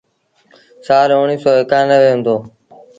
سآل اُڻيٚه سو ايڪآنوي هُݩدو۔